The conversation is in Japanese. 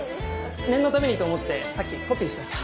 念のためにと思ってさっきコピーしといた。